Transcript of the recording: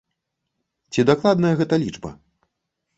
Ці дакладная гэта лічба?